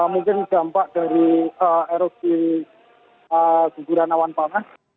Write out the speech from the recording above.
mungkin dampak dari erupsi guguran awan panas